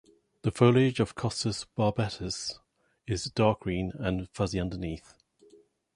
The foliage of "Costus barbatus" is dark green and fuzzy underneath.